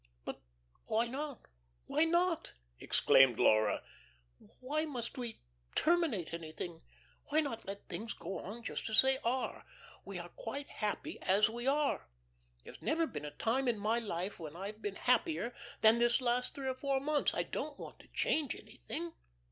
"But why not? Why not?" exclaimed Laura. "Why must we terminate anything? Why not let things go on just as they are? We are quite happy as we are. There's never been a time of my life when I've been happier than this last three or four months. I don't want to change anything.